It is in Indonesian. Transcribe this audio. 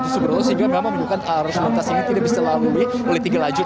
sehingga memang menunjukkan arus lintas ini tidak bisa dilalui oleh tiga lajur